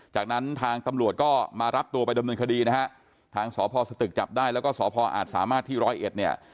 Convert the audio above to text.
จากนั้นทางตำรวจก็มารับตัวไปดำเนินคดีนะฮะทางสพสตึกจับได้แล้วก็สพอาจสามารถที่ร้อยเอ็ดเนี่ย